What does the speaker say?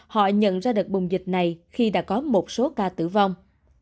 họ nhận ra đợt bùng dịch này khi đã có một số ca tử vong